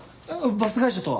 バス会社とは？